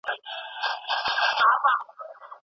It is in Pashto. ویډیوګانې لنډې وي ځکه وسایل محدود دي.